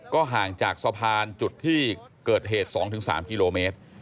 ก็ห่างจากสะพานจุดที่เกิดเหตุ๒๓กิโลเมตร